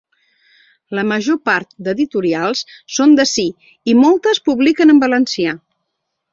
La major part d’editorials són d’ací i moltes publiquen en valencià.